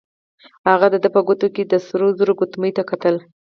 هغه د ده په ګوته کې د سرو زرو ګوتمۍ ته کتل.